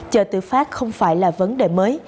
chờ tử phát không phải là vấn đề mới